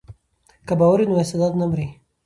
که باور وي نو استعداد نه مري.